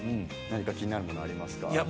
気になるもの、ありますか。